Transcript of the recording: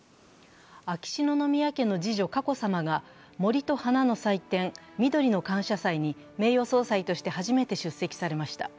秋篠宮家の次女・佳子さまが森と花の祭典−「みどりの感謝祭」に名誉総裁として初めて出席されました。